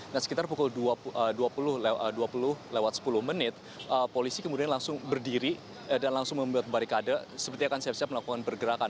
nah sekitar pukul dua puluh lewat sepuluh menit polisi kemudian langsung berdiri dan langsung membuat barikade seperti akan siap siap melakukan pergerakan